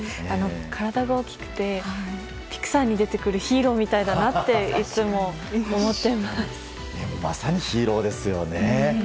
体が大きくてピクサーに出てくるヒーローみたいだなってまさにヒーローですよね。